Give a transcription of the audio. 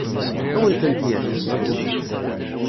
Ad awen-tent-yefk?